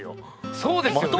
そうですよね。